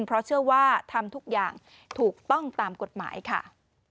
เพราะเชื่อว่าทำทุกอย่างถูกต้องตามกฎหมายค่ะ